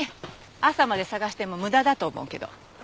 朝まで捜しても無駄だと思うけど。